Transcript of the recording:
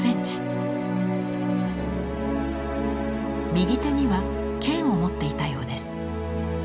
右手には剣を持っていたようです。